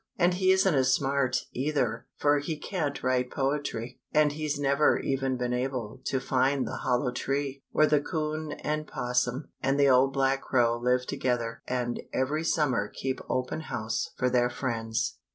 And he isn't as smart, either, for he can't write poetry, and he's never even been able to find the Hollow Tree, where the 'Coon and 'Possum and the old black Crow live together and every summer keep open house for their friends.